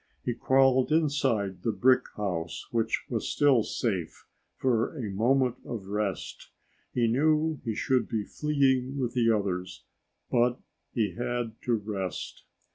He crawled inside the brick house, which was still safe, for a moment of rest. He knew he should be fleeing with the others, but he had to rest.